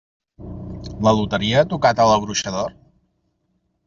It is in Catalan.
La loteria ha tocat a La bruixa d'or?